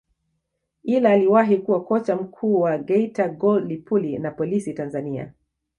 ila aliwahi kuwa kocha mkuu wa Geita Gold Lipuli na Polisi Tanzania